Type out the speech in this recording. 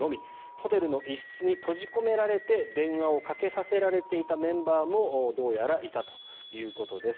ホテルの一室に閉じ込められて電話をかけさせられていたメンバーもどうやら、いたということです。